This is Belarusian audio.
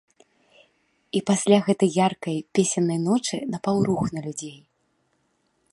І пасля гэтай яркай, песеннай ночы, напаў рух на людзей.